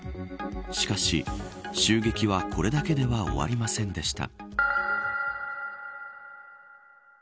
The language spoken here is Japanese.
しかし襲撃はこれだけでは終わりませんでした。